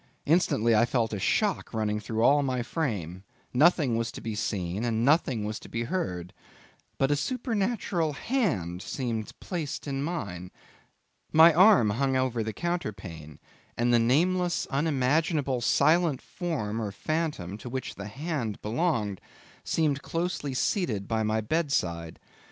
Instantly I felt a shock running through all my frame; nothing was to be seen, and nothing was to be heard; but a supernatural hand seemed placed in mine. My arm hung over the counterpane, and the nameless, unimaginable, silent form or phantom, to which the hand belonged, seemed closely seated by my bed side.